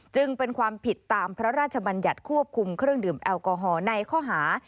จึงเป็นความผิดตามพระราชบัญญัติควบคุมเครื่องดื่มแอลกอฮอล์ในข้อหา